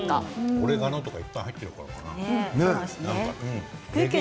オレガノとかいっぱい入っているからかな。